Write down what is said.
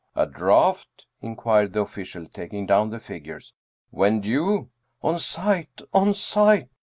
" A draft? " inquired the official, taking down the figures. "When due?" " On sight on sight